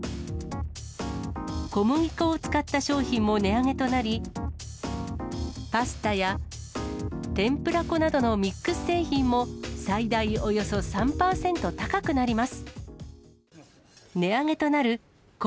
小麦粉を使った商品も値上げとなり、パスタや天ぷら粉などのミックス製品も、最大およそ３％高くなりズ。